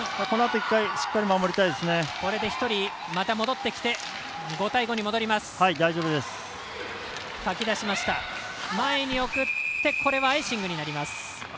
これで１人また戻ってきて５対５に戻ります。